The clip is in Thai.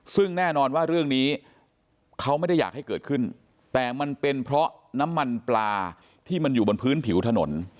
ซึ่งแน่นอนว่าเรื่องนี้เขาไม่ได้อยากให้เกิดขึ้นแต่มันเป็นเพราะน้ำมันปลาที่มันอยู่บนพื้นผิวถนน